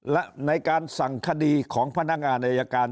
และในการสั่งคดีของพนักงานอายการ